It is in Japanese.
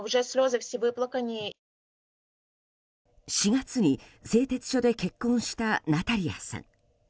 ４月に製鉄所で結婚したナタリアさん。